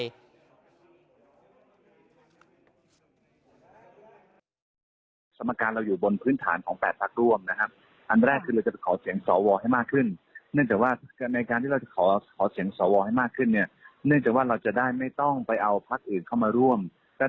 แล้วก็อยู่ในพื้นฐานของพักตัดพักร่วม